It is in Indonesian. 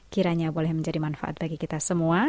kiranya boleh menjadi manfaat bagi kita semua